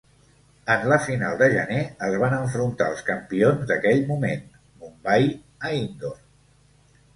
En la final de gener, es van enfrontar als campions d'aquell moment, Mumbai, a Indore.